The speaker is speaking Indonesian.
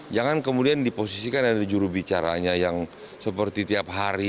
jangan kemudian diposisikan ada jurubicaranya yang seperti tiap hari